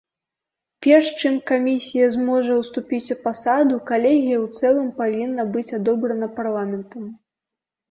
Перш чым камісія зможа ўступіць у пасаду, калегія ў цэлым павінна быць адобрана парламентам.